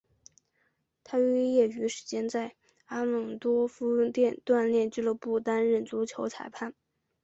他于业余时间在拉姆斯多夫体育锻炼俱乐部担当足球裁判。